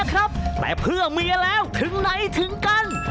แต่เพื่อเมียแล้วถึงไหนถึงกัน